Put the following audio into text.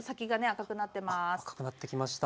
赤くなってきました。